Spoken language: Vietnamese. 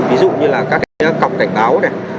ví dụ như là các cái cọc cảnh báo này